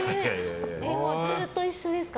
ずっと一緒ですか？